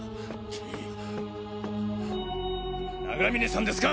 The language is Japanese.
永峰さんですか？